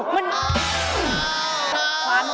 มัน